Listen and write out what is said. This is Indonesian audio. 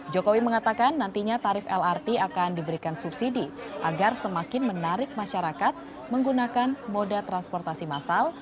jokowi mengatakan nantinya tarif lrt akan diberikan subsidi agar semakin menarik masyarakat menggunakan moda transportasi masal